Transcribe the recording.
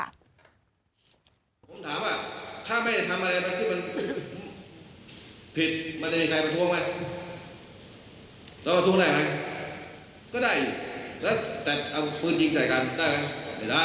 และแทนเอาฟืนจิงจ่ายกันได้ไหมไม่ได้